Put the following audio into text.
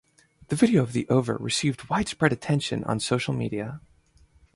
The video of the over received widespread attention on social media.